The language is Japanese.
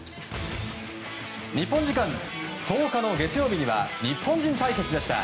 日本時間１０日の月曜日には日本人対決。